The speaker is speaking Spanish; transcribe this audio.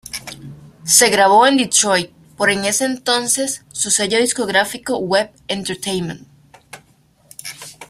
Se grabó en Detroit por en ese entonces su sello discográfico Web Entertaiment.